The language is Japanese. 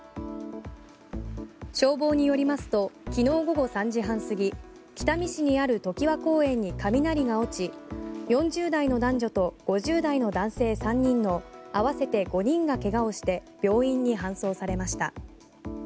消防によりますときのう午後３時半すぎ北見市にある常盤公園に雷が落ち４０代の男女と５０代の男性３人のあわせて５人が怪我をして病院に搬送されました。